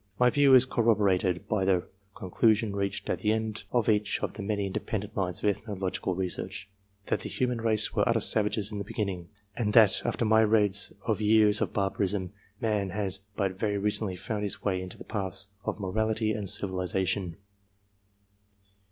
My view is corrobo rated by the conclusion reached at the end of each of the many independent lines of ethnological research that the human race were utter savages in the beginning ; and that, after myriads of years of barbarism, man has but very recently found his way into the paths of morality and civilization.